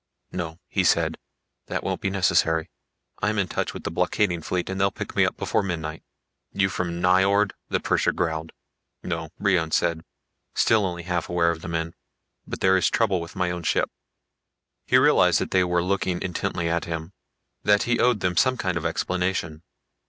"No," he said. "That won't be necessary. I'm in touch with the blockading fleet and they'll pick me up before midnight." "You from Nyjord?" the purser growled. "No," Brion said, still only half aware of the men. "But there is trouble with my own ship." He realized that they were looking intently at him, that he owed them some kind of explanation.